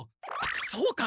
そうか！